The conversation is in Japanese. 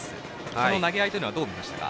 その投げ合いはどう見ましたか？